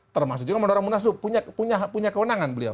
termasuk juga manora munasudu punya kewenangan beliau